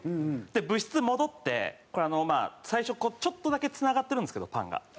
で部室戻って最初ちょっとだけ繋がってるんですけどパンが。